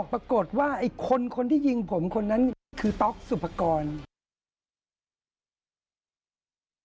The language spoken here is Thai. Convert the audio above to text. ปรากฏว่าไอ้คนคนที่ยิงผมคนนั้นคือต๊อกสุภกร